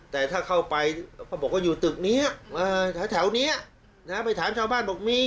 แต่ถ้าเข้าไปเขาบอกว่าอยู่ตึกนี้แถวนี้ไปถามชาวบ้านบอกมี